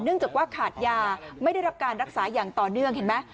จากว่าขาดยาไม่ได้รับการรักษาอย่างต่อเนื่องเห็นไหม